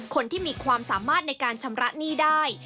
คนที่มีความสามารถในการชำระหนี้ได้